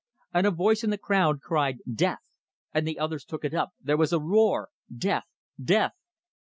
And a voice in the crowd cried "Death!" And the others took it up; there was a roar: "Death! Death!"